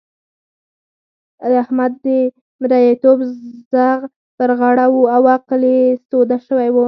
د احمد د مرېيتوب ځغ پر غاړه وو او عقل يې سوده شوی وو.